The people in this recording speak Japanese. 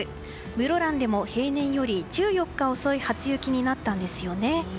室蘭でも平年より１４日遅い初雪となったんですね。